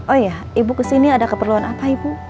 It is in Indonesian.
oh iya ibu kesini ada keperluan apa ibu